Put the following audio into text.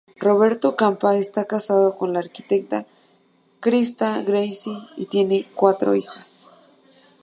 Roberto Campa está casado con la arquitecta Crista Grassi y tiene cuatro hijas.